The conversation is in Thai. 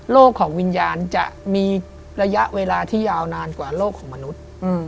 ของวิญญาณจะมีระยะเวลาที่ยาวนานกว่าโลกของมนุษย์